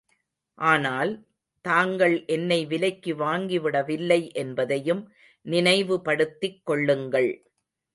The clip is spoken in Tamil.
ஆனால், தாங்கள் என்னை விலைக்கு வாங்கி விடவில்லை என்பதையும் நினைவுப்படுத்திக் கொள்ளுங்கள்.